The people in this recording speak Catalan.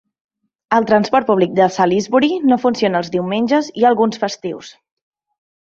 El transport públic de Salisbury no funciona els diumenges i alguns festius.